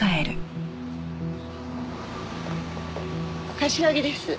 柏木です。